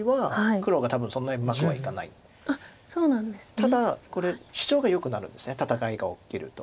ただこれシチョウがよくなるんです戦いが起きると。